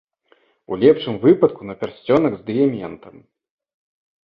У лепшым выпадку, на пярсцёнак з дыяментам.